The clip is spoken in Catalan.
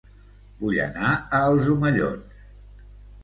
Vull anar a Els Omellons